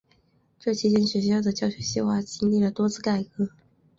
这期间学校的教学计划经历了多次改革。